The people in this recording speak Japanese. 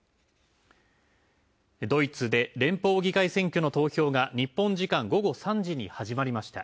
ドイツで連邦議会選挙の投票が日本時間午後３時に始まりました。